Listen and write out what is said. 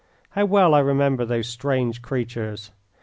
How well I remember those strange creatures.